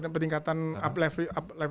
peningkatan up level